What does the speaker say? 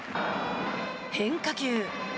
変化球。